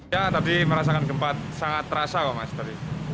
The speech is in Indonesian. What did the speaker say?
ya tadi merasakan gempa sangat terasa kok mas tadi